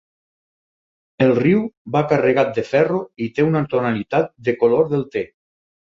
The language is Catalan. El riu va carregat de ferro i té una tonalitat de color del té.